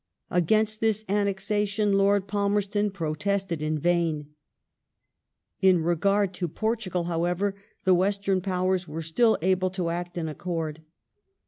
Against this annexation Lord Palmerston protested in vain. In regard to Portugal, however, the Western Powei s were still Aflfairs in able to act in accord.